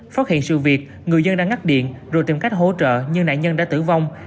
phát hiện sự việc người dân đã ngắt điện rồi tìm cách hỗ trợ nhưng nạn nhân đã tử vong